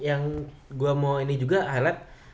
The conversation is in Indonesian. yang gue mau ini juga highlight